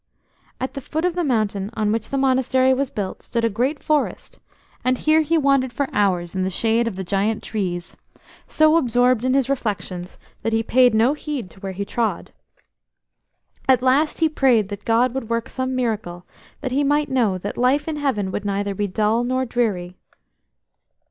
At the foot of the mountain on which the Monastery was built stood a great forest, and here he wandered for hours in the shade of the giant trees, so absorbed in his reflections that he paid no heed to where he trod. At last he prayed that God would work some miracle that he might know that life in Heaven would neither be dull nor dreary.